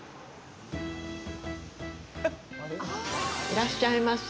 いらっしゃいませ。